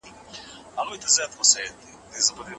هغه په مونوګراف کي ډېر حقایق بیان کړي دي.